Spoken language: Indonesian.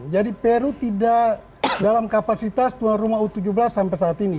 jadi peru tidak dalam kapasitas tuan rumah u tujuh belas sampai saat ini